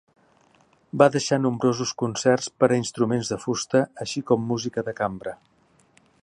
Va deixar nombrosos concerts per a instruments de fusta, així com música de cambra.